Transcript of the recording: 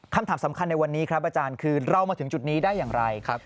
คำถามสำคัญในวันนี้ครับอาจารย์คือเรามาถึงจุดนี้ได้อย่างไรครับ